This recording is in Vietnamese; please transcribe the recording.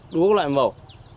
đú các loại màu